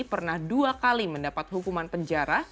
pernah dua kali mendapat hukuman penjara